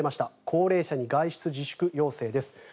高齢者に外出自粛要請です。